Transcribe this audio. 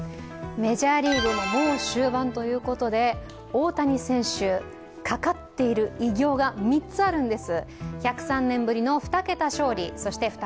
メジャーリーグももう終盤ということで、大谷選手、かかっている偉業が３つあるんです。